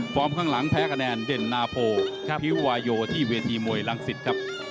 ข้างหลังแพ้คะแนนเด่นนาโพพิววาโยที่เวทีมวยรังสิตครับ